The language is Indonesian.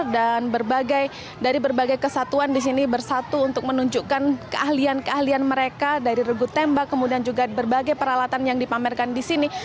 dan dari berbagai kesatuan di sini bersatu untuk menunjukkan keahlian keahlian mereka dari regu tembak kemudian juga berbagai peralatan yang dipamerkan di sini